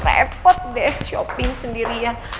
repot deh shopping sendirian